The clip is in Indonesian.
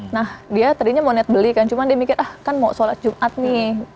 nah dia tadinya mau net beli kan cuma dia mikir ah kan mau sholat jumat nih